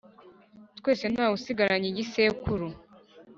Twese ntawe usigaranye igisekuru